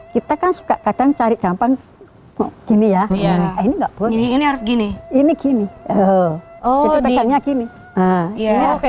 kita kan suka kadang cari gampang gini ya ini harus gini ini gini oh gini ya kayak